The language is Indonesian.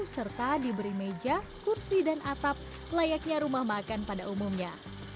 serta diberi meja kursi dan atap layaknya rumah makan pada umumnya